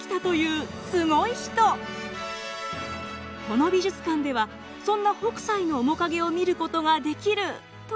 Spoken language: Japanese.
この美術館ではそんな北斎の面影を見ることができるというのですが。